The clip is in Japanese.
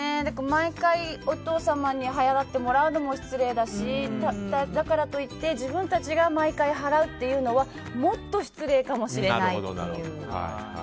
毎回お父様に払ってもらうのも失礼だし、だからといって自分たちが毎回払うというのはもっと失礼かもしれないという。